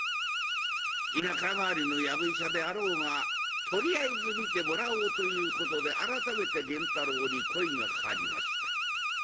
田舎回りのやぶ医者であろうがとりあえず診てもらおうということで改めて源太郎に声がかかりました。